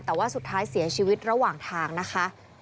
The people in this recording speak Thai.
แต่ว่าสุดท้ายเสียชีวิตระหว่างทางนะคะ